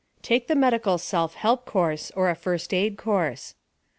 Take the Medical Self Help course, or a First Aid course.